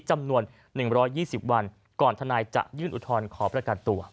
จำนวน๑๒๐วันก่อนทนายจะยื่นอุทธรณ์ขอประกันตัว